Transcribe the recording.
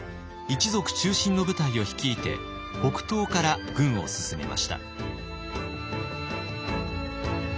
一族中心の部隊を率いて北東から軍を進めました。